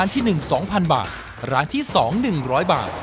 ร้านที่หนึ่งสองพันบาทร้านที่สองหนึ่งร้อยบาท